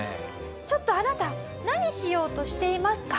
「ちょっとあなた何しようとしていますか？」。